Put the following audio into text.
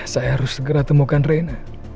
saya harus segera temukan reina